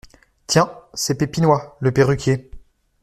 Tiens ! c’est Pépinois, le perruquier…